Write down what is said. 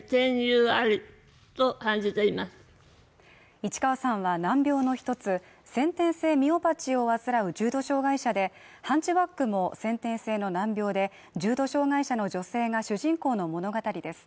市川さんは難病の一つ、先天性ミオパチーを患う重度障害者で「ハンチバック」も先天性の難病で重度障害者の女性が主人公の物語です。